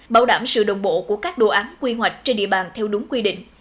bảo đảm sự đồng bộ của các đồ án quy hoạch trên địa bàn theo đúng quy định